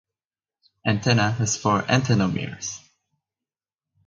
Antenna has four antennomeres.